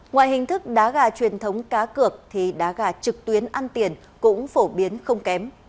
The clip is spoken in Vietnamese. ngoài hình thức đá gà truyền thống cá cược thì đá gà trực tuyến ăn tiền cũng phổ biến không kém